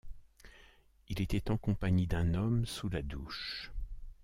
Il était en compagnie d'un homme sous la douche.